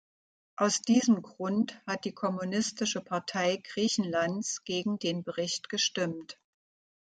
Aus diesem Grund hat die kommunistische Partei Griechenlands gegen den Bericht gestimmt.